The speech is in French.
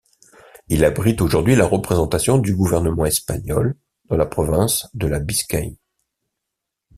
Il abrite aujourd'hui la représentation du gouvernement espagnol dans la province de la Biscaye.